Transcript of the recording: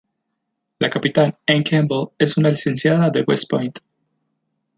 La capitán Ann Campbell es una licenciada de West Point.